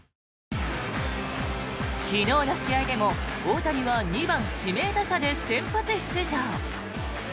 昨日の試合でも大谷は２番指名打者で先発出場。